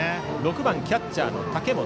６番、キャッチャーの竹本。